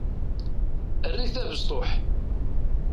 Err-it d abesṭuḥ.